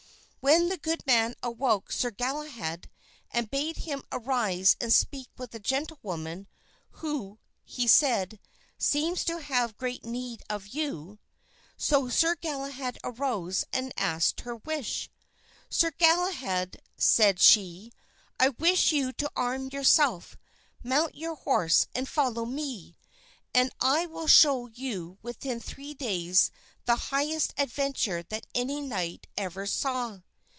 Then the good man awoke Sir Galahad and bade him arise and speak with the gentlewoman, who, said he, "seems to have great need of you." So Sir Galahad arose and asked her wish. "Sir Galahad," said she, "I wish you to arm yourself, mount your horse and follow me, and I will show you within three days the highest adventure that any knight ever saw."